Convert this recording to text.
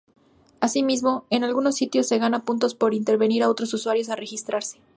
Asimismo, en algunos sitios se ganan puntos por invitar a otros usuarios a registrarse.